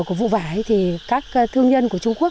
của vụ vải thì các thương nhân của trung quốc